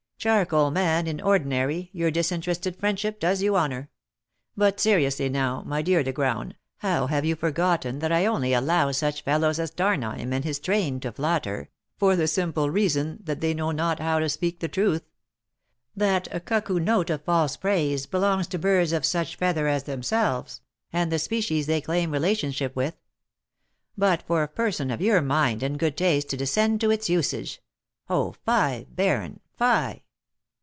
"Charcoal man in ordinary, your disinterested friendship does you honour. But seriously now, my dear De Graün, how have you forgotten that I only allow such fellows as D'Harneim and his train to flatter, for the simple reason that they know not how to speak the truth? That cuckoo note of false praise belongs to birds of such feather as themselves, and the species they claim relationship with; but for a person of your mind and good taste to descend to its usage oh, fie! baron, fie!"